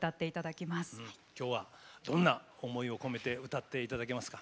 きょうはどんな思いを込めて歌っていただけますか？